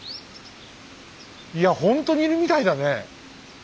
いやほんとにいるみたいだね。